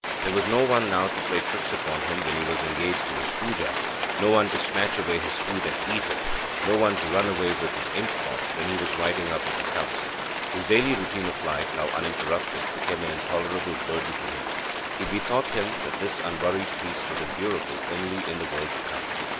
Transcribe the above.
There was no one now to play tricks upon him when he was engaged in his puja, no one to snatch away his food and eat it, no one to run away with his inkpot, when he was writing up his accounts. His daily routine of life, now uninterrupted, became an intolerable burden to him. He bethought him that this unworried peace was endurable only in the world to come.